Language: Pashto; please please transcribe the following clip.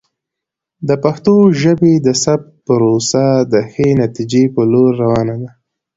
د پښتو ژبې د ثبت پروسه د ښې نتیجې په لور روانه ده.